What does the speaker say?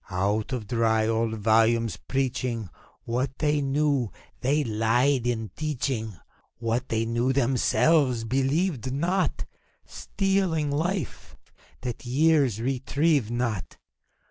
Out of dry old volumes preaching, What they knew, they lied in teaching; What they knew themselves believed not| Stealing life, that years retrieved not.